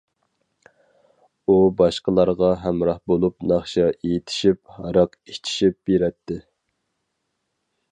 ئۇ باشقىلارغا ھەمراھ بولۇپ ناخشا ئېيتىشىپ، ھاراق ئىچىشىپ بېرەتتى.